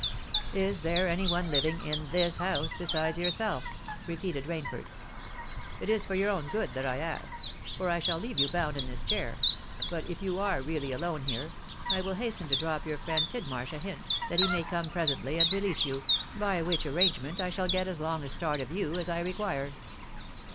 "Is there any one living in this house besides yourself?" repeated Rainford. "It is for your own good that I ask; for I shall leave you bound in this chair—but, if you are really alone here, I will hasten to drop your friend Tidmarsh a hint, that he may come presently and release you, by which arrangement I shall get as long a start of you as I require."